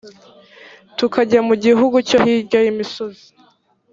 tukajya mu gihugu cyo hirya y’imisozi